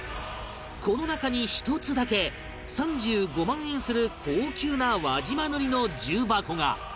この中に１つだけ３５万円する高級な輪島塗の重箱が